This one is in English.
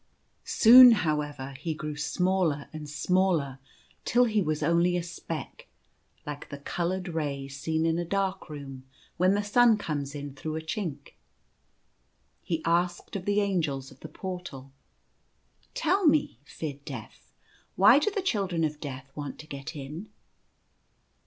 Soon, however, he grew smaller and smaller till he was only a speck, like the coloured ray seen in a dark room when the sun comes in through a chink. He asked of the Angels of the Portal :" Tell me, Fid Def, why do the Children of Death want to get in